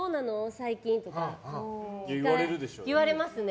最近とか言われますね。